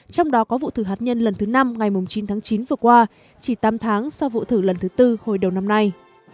trong đó có vụ thử hạt nhân lần thứ năm ngày chín tháng chín vừa qua chỉ tám tháng sau vụ thử lần thứ tư hồi đầu năm nay